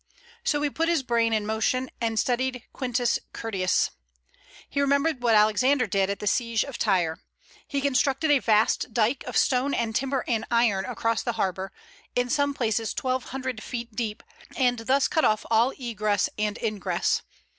So he put his brain in motion, and studied Quintus Curtius. He remembered what Alexander did at the siege of Tyre; he constructed a vast dyke of stone and timber and iron across the harbor, in some places twelve hundred feet deep, and thus cut off all egress and ingress.